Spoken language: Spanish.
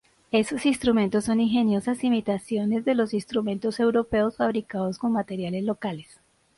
Esos instrumentos son ingeniosas imitaciones de los instrumentos europeos fabricados con materiales locales.